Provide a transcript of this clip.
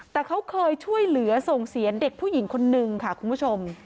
แต่เขาเคยช่วยเหลือส่งเสียเด็กผู้หญิงคนนึงค่ะคุณผู้ชม